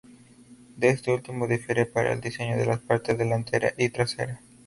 De este último difiere para el diseño de la parte delantera y trasera.